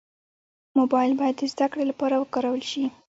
موبایل باید د زدهکړې لپاره وکارول شي.